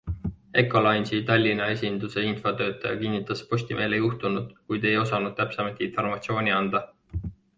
Ecolines'i Tallinna esinduse infotöötaja kinnitas Postimehele juhtunut, kuid ei osanud täpsemat informatsiooni anda.